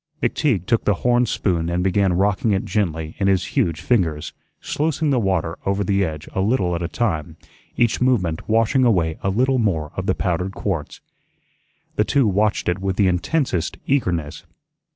McTeague took the horn spoon and began rocking it gently in his huge fingers, sluicing the water over the edge a little at a time, each movement washing away a little more of the powdered quartz. The two watched it with the intensest eagerness.